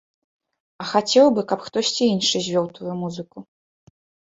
А хацеў бы, каб хтосьці іншы звёў тваю музыку?